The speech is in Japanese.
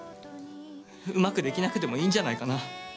うまくできなくてもいいんじゃないかな。